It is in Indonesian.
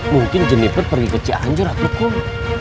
mungkin jenipet pergi ke cianjur aku pikir